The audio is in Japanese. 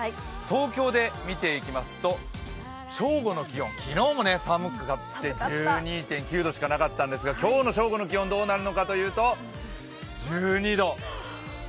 東京で見ていきますと正午の気温、昨日も寒くて１２．９度しかなかったんですが、今日の正午の気温どうなるのかというと１２度。